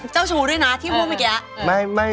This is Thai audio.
เจ้าชู้ด้วยนะที่พูดเมื่อกี้